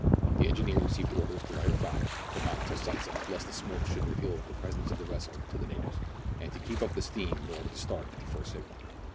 The engineer received orders to light the fire, but not until sunset, lest the smoke should reveal the presence of the vessel to the natives ; and to keep up the steam, in order to start at the first signal.